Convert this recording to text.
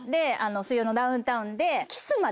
『水曜のダウンタウン』で。